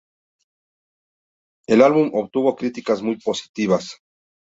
El álbum obtuvo críticas muy positivas.